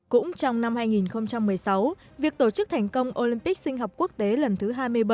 cũng trong năm hai nghìn một mươi sáu việc tổ chức thành công olympic sinh học quốc tế lần thứ hai mươi bảy